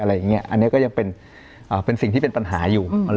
อันนี้ก็ยังเป็นสิ่งที่เป็นปัญหาอยู่